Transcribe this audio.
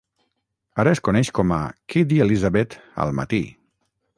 Ara es coneix com a "Kidd i Elizabeth al matí".